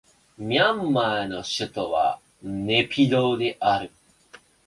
ミャンマーの首都はネピドーである